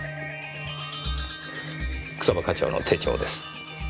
草葉課長の手帳です。